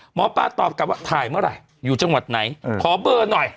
หมอปลาตอบกลับว่าถ่ายเมื่อไหร่อยู่จังหวัดไหนขอเบอร์หน่อย